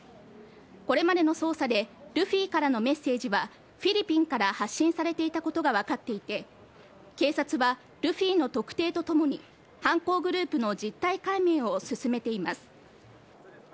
これまでの捜査でルフィからのメッセージはフィリピンから発信されていたことがわかっていて、警察はルフィの特定とともに、犯行グループの実態解明を進めています。